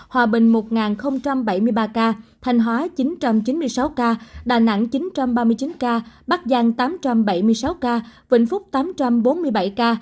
hòa bình một bảy mươi ba ca thanh hóa chín trăm chín mươi sáu ca đà nẵng chín trăm ba mươi chín ca bắc giang tám trăm bảy mươi sáu ca vĩnh phúc tám trăm bốn mươi bảy ca